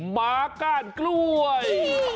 หมาก้านกล้วย